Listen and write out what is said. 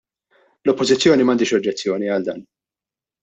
L-Oppożizzjoni m'għandhiex oġġezzjoni għal dan.